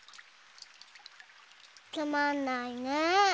つまんないねぇ。